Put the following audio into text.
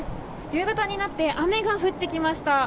夕方になって雨が降ってきました。